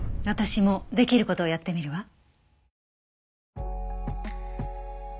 私もできる事をやってみるわ。